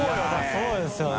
そうですよね。